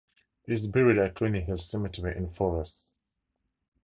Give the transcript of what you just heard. He is buried at Cluny Hill Cemetery in Forres.